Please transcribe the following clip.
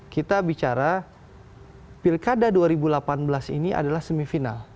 kita bicara pilkada dua ribu delapan belas ini adalah semifinal